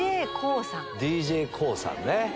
ＤＪＫＯＯさん。